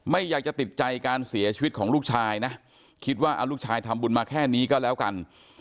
ไม่อยากจะติดใจการเสียชีวิตของลูกชายนะคิดว่าเอาลูกชายทำบุญมาแค่นี้ก็แล้วกัน